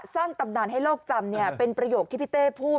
ตำนานให้โลกจำเป็นประโยคที่พี่เต้พูด